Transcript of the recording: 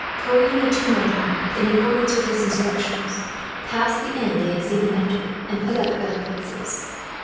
Pierre and the two men had, in accordance with his instructions, passed the inn they had seen him enter, and put up at other places.